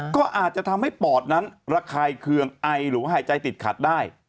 ก็อาจจะทำให้ปอดนั้นระคายเคืองไอหรือว่าหายใจติดขัดได้